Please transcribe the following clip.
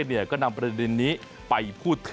วันนี้